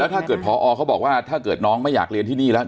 ถ้าเกิดพอเขาบอกว่าถ้าเกิดน้องไม่อยากเรียนที่นี่แล้ว